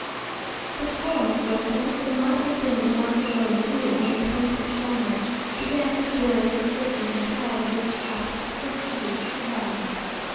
The columns look as if they might have been the work of those who, on the plains of Shinar, began to build the city, and the tower whose top was to reach to heaven.